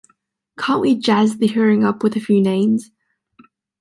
Can't we jazz the hearing up with a few names?